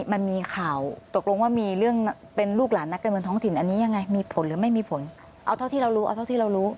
มันมีข่าวตกลงว่ามีเรื่องเป็นลูกหลานนักการเมืองท้องถิ่นอันนี้ยังไงมีผลหรือไม่มีผลเอาเท่าที่เรารู้เอาเท่าที่เรารู้